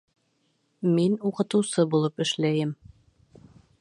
Мин уҡытыусы булып эшләйем